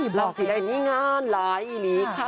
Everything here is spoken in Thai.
เบาสีไม่งานไหลค่ะ